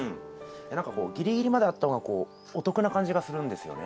何かこうギリギリまであった方がお得な感じがするんですよね。